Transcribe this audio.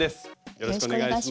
よろしくお願いします。